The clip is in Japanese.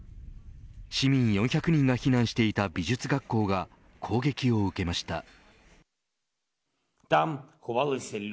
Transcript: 市民４００人が避難していた美術学校が攻撃を受けました。